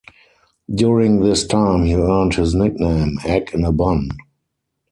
During this time, he earned his nickname "Egg in a bun".